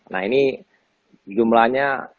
nah ini jumlahnya